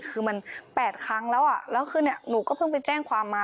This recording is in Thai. คือมัน๘ครั้งแล้วอ่ะแล้วคือเนี่ยหนูก็เพิ่งไปแจ้งความมา